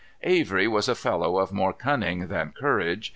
Avery was a fellow of more cunning than courage.